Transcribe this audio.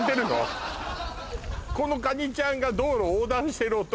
このカニちゃんが道路を横断してる音？